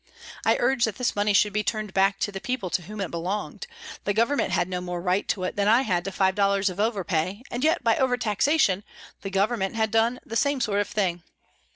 I urged that this money should be turned back to the people to whom it belonged. The Government had no more right to it than I had to five dollars of overpay, and yet, by over taxation, the Government had done the same sort of thing.